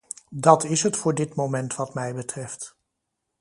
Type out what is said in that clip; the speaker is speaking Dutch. Dat is het voor dit moment wat mij betreft.